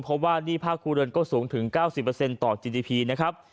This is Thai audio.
เพราะว่าหนี้ภาคครูเดินก็สูงถึงเก้าสิบเปอร์เซ็นต์ต่อจีจีพีนะครับ